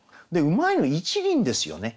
うまいの「一輪」ですよね。